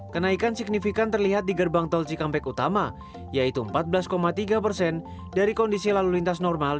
kenaikan signifikan terlihat di gerbang tol cikampek utama yaitu empat belas tiga persen dari kondisi lalu lintas normal